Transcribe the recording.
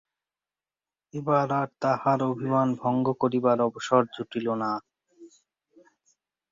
এবার আর তাহার অভিমান ভঙ্গ করিবার অবসর জুটিল না।